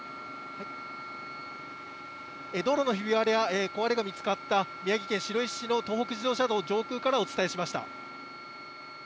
道路のひび割れや壊れが見つかった、宮城県白石市の東北自動車道上空からお伝えしました。